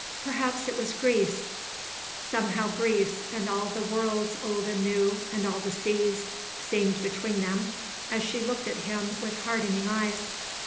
Perhaps it was Greece.... Somehow Greece, and all the worlds old and new, and all the seas, seemed between them as she looked at him with hardening eyes.